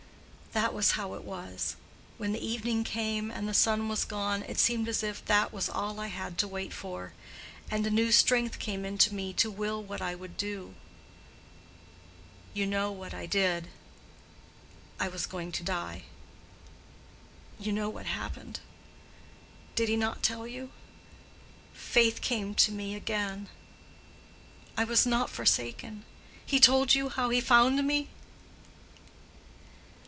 That was how it was. When the evening came and the sun was gone, it seemed as if that was all I had to wait for. And a new strength came into me to will what I would do. You know what I did. I was going to die. You know what happened—did he not tell you? Faith came to me again; I was not forsaken. He told you how he found me?"